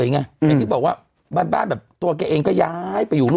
อย่างที่บอกว่าบ้านแบบตัวแกเองก็ย้ายไปอยู่ลูก